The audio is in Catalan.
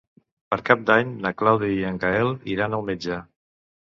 Per Cap d'Any na Clàudia i en Gaël iran al metge.